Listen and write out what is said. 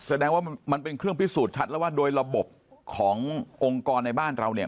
แสดงว่ามันเป็นเครื่องพิสูจน์ชัดแล้วว่าโดยระบบขององค์กรในบ้านเราเนี่ย